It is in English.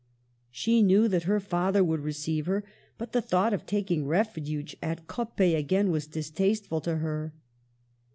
She knew that her father would receive her, but the thought of tak ing refuge at Coppet again was distasteful to her.